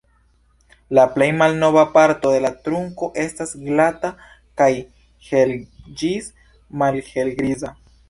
La plej malnova parto de la trunko estas glata kaj hel- ĝis malhelgriza.